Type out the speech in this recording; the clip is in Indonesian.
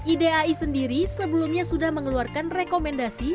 idai sendiri sebelumnya sudah mengeluarkan rekomendasi